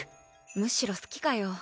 むしろ好きかよ。